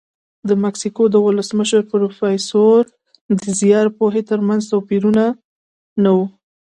د مکسیکو د ولسمشر پورفیرو دیاز پوهې ترمنځ توپیر نه و.